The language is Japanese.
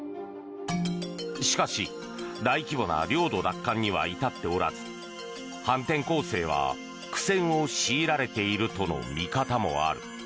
しかし、大規模な領土奪還には至っておらず反転攻勢は苦戦を強いられているとの見方もある。